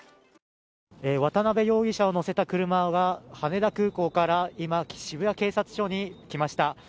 渡辺容疑者を乗せた車が羽田空港から今、渋谷警察署に来ました。